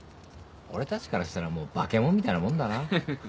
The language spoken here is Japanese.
俺たちからしたらもう化け物みたいなもんだな。